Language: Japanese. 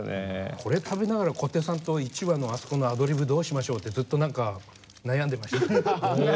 これ食べながら小手さんと１話のあそこのアドリブどうしましょう？ってずっと何か悩んでましたよね。